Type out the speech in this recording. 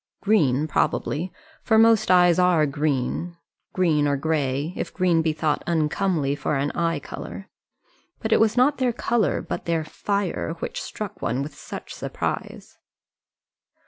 Green probably, for most eyes are green green or grey, if green be thought uncomely for an eye colour. But it was not their colour, but their fire, which struck one with such surprise.